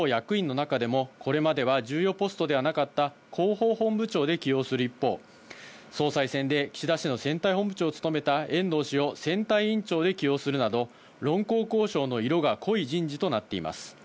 総裁選で争った河野ワクチン担当大臣を党役員の中でも、これまでは重要ポストではなかった広報本部長で起用する一方、総裁選で岸田氏の選対本部長を務めた遠藤氏を選対委員長で起用するなど、論功行賞の色が濃い人事となっています。